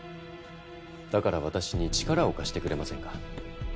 だから私に力を貸してくれませんか？